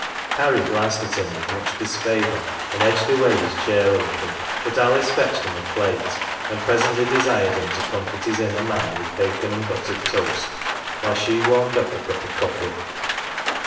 Harry glanced at him with much disfavour, and edged away his chair a little ; but Alice fetched him a plate, and presently desired him to comfort his inner man with bacon and buttered toast, while she warmed up a cup of coffee.